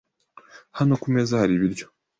Hano ku meza hari ibiryo .